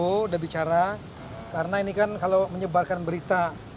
sudah bicara karena ini kan kalau menyebarkan berita